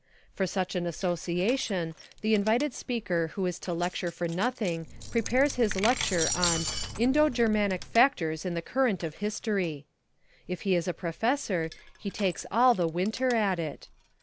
For such an association, the invited speaker who is to lecture for nothing prepares his lecture on "Indo Germanic Factors in the Current of History." If he is a professor, he takes all the winter at it.